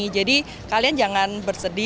jadi kalian jangan bersedih